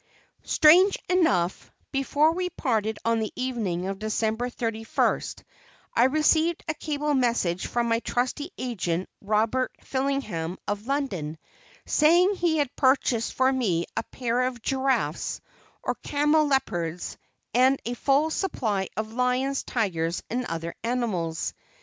Strange enough, before we parted on that evening of December 31st, I received a cable message from my trusty agent, Robert Fillingham of London, saying he had purchased for me a pair of giraffes or camelopards and a full supply of lions, tigers and other animals.